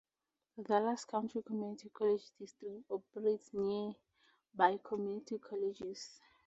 Dallas County Community College District operates nearby community colleges.